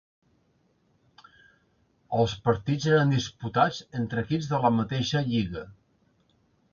Els partits eren disputats entre equips de la mateixa lliga.